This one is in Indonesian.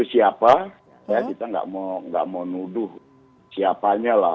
jadi siapa kita nggak mau nuduh siapanya lah